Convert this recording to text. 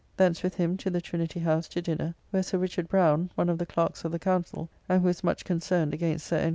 Thence with him to the Trinity house to dinner; where Sir Richard Brown (one of the clerks of the Council, and who is much concerned against Sir N.